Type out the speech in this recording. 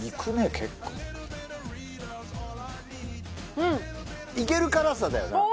結構うんいける辛さだよね？